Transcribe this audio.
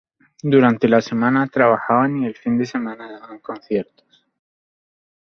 Durante la semana trabajaban y en el fin de semana daban conciertos.